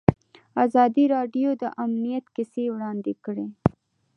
ازادي راډیو د امنیت کیسې وړاندې کړي.